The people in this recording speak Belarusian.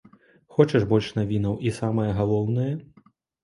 Хочаш больш навінаў і самае галоўнае?